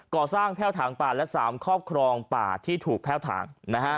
๒ก่อสร้างแพ่วถังป่าและ๓ข้อครองป่าที่ถูกแพ่วถัง